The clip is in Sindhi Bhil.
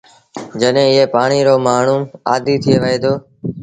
جڏهيݩ ايئي پآڻيٚ رو مآڻهوٚٚݩ آديٚ ٿئي وهي دو۔